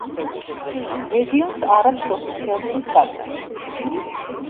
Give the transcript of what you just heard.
რეგიონს არ აქვს ოფიციალური სტატუსი.